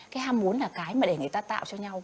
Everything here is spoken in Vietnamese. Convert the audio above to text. cái ham muốn là cái mà để người ta tạo cho nhau